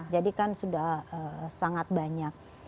jadi kan sudah sangat banyak